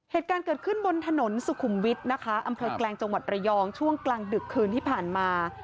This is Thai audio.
เหตุการณ์เกิดขึ้นบนถนนสุขุมวิทย์นะคะอำเภอแกลงจังหวัดระยองช่วงกลางดึกคืนที่ผ่านมา